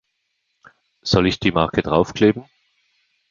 Soll ich die Marke draufkleben?